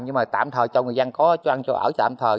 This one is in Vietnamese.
nhưng mà tạm thời cho người dân có cho ăn cho ở tạm thời